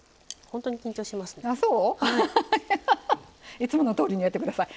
いつものとおりにやって下さい。